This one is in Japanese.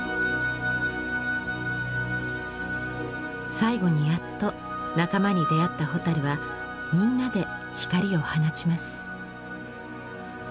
最後にやっと仲間に出会った蛍はみんなで光を放ちます。